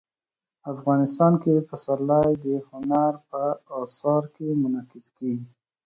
افغانستان کې پسرلی د هنر په اثار کې منعکس کېږي.